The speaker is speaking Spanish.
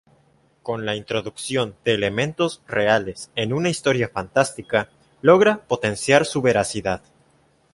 Con la introducción de elementos reales en una historia fantástica, logra potenciar su veracidad.